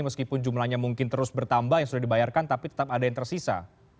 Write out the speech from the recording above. meskipun jumlahnya mungkin terus bertambah yang sudah dibayarkan tapi tetap ada yang tersisa